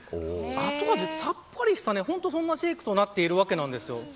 後味さっぱりしたそんなシェイクとなっているわけなんですよ。